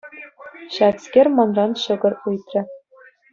Ҫакскер манран ҫӑкӑр ыйтрӗ.